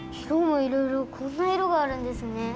いろもいろいろこんないろがあるんですね。